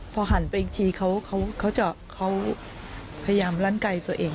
พอหันไปอีกทีเขาจะเขาพยายามลั่นไกลตัวเอง